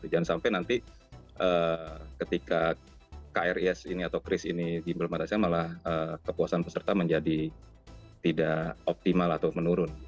jangan sampai nanti ketika kris ini atau kris ini diimplementasikan malah kepuasan peserta menjadi tidak optimal atau menurun